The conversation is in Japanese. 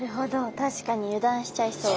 確かに油断しちゃいそう。